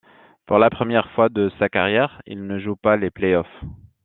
Pour la première fois de sa carrière, il ne joue pas les play-offs.